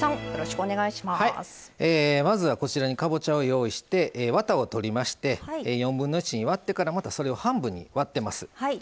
まずはこちらにかぼちゃを用意してワタを取りまして４分の１に割ってからまたそれを半分に割ってます。